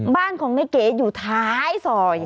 บ้านของนายเก๋อยู่ท้ายซอย